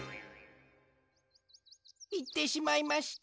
いってしまいました。